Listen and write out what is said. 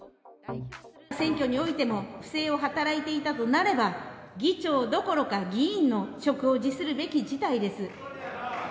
選挙においても不正を働いてたとなれば、議長どころか議員の職を辞するべき事態です。